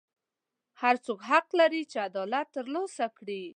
هر څوک حق لري چې عدالت ترلاسه کړي.